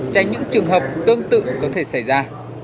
tránh những trường hợp tương tự có thể xảy ra